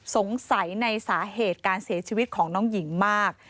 สงสัยในสาเหตุการเสียชีวิตของน้องหญิงมาก